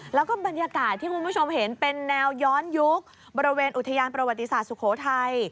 แล้วก็บรรยากาศที่คุณผู้ชมเห็นเป็นแนวย้อนยุคบริเวณอุทยานประวัติศาสตร์สุโขทัย